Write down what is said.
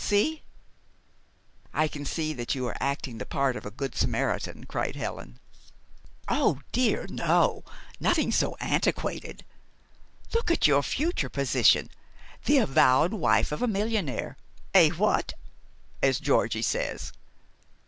See?" "I can see that you are acting the part of the good Samaritan," cried Helen. "Oh, dear, no nothing so antiquated. Look at your future position the avowed wife of a millionaire. Eh, what? as Georgie says."